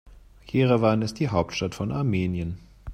Jerewan ist die Hauptstadt von Armenien.